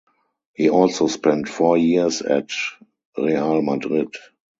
He also spent four years at Real Madrid.